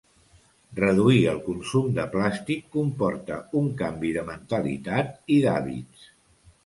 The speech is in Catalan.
Reduir el consum de plàstic comporta un canvi de mentalitat i d'hàbits.